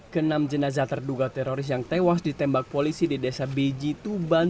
kenam jenazah terduga teroris yang tewas ditembak polisi di desa beji tuban